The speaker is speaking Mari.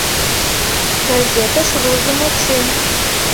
Газетеш возымо чын.